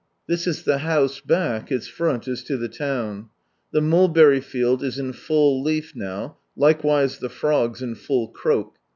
This is the house back; its front is to the town. The mulberry field is in full leaf now, likewise the frogs in full croak.